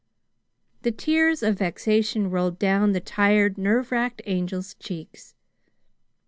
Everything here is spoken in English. The tears of vexation rolled down the tired, nerve racked Angel's cheeks.